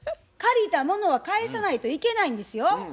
借りたものは返さないといけないんですよ。